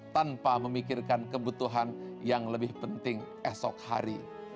tanpa memikirkan kebutuhan yang lebih penting esok hari